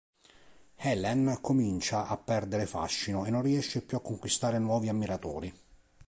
Helen comincia a perdere fascino e non riesce più a conquistare nuovi ammiratori.